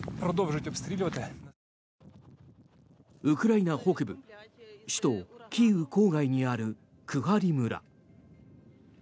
ウクライナ北部首都キーウ郊外にあるクハリ村。